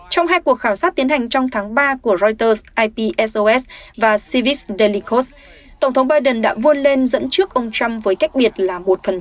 trong hai cuộc khảo sát tiến hành trong tháng ba của reuters ipsos và sevis dalicos tổng thống biden đã vươn lên dẫn trước ông trump với cách biệt là một